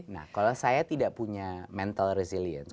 nah kalau saya tidak punya mental resilience